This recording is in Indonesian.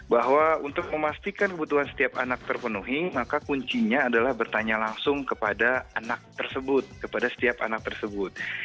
bahwa untuk memastikan kebutuhan setiap anak terpenuhi maka kuncinya adalah bertanya langsung kepada anak tersebut kepada setiap anak tersebut